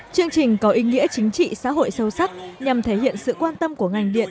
chương trình có ý nghĩa chính trị xã hội sâu sắc nhằm thể hiện sự quan tâm của ngành điện